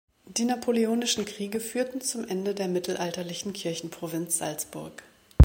Die Napoleonischen Kriege führten zum Ende der mittelalterlichen Kirchenprovinz Salzburg.